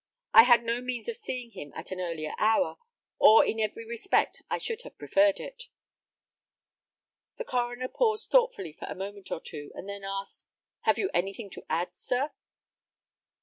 I had no means of seeing him at an earlier hour, or in every respect I should have preferred it." The coroner paused thoughtfully for a moment or two, and then asked, "Have you anything to add, sir?"